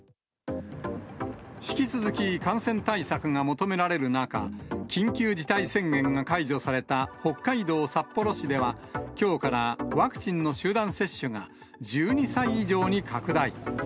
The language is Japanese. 引き続き感染対策が求められる中、緊急事態宣言が解除された北海道札幌市では、きょうからワクチンの集団接種が、１２歳以上に拡大。